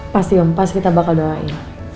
pasti om pasti kita bakal doain